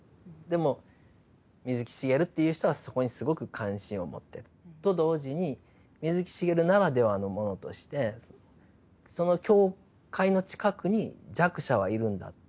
でも水木しげるっていう人はそこにすごく関心を持ってると同時に水木しげるならではのものとしてその境界の近くに「弱者」はいるんだっていう感覚ですよ。